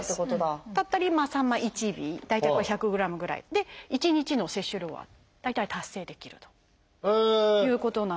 さんま１尾大体これ１００グラムぐらいで１日の摂取量は大体達成できるということなんです。